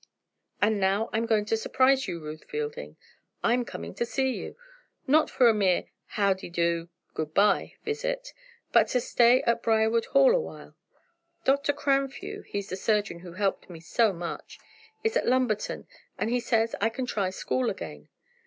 "And now I'm going to surprise you, Ruth Fielding. I'm coming to see you not for a mere 'how de do good bye' visit; but to stay at Briarwood Hall a while. Dr. Cranfew (he's the surgeon who helped me so much) is at Lumberton and he says I can try school again.